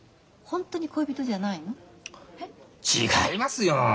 違いますよ！